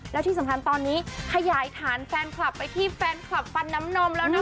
แล้วที่สำคัญตอนนี้ขยายฐานแฟนคลับไปที่แฟนคลับฟันน้ำนมแล้วนะคะ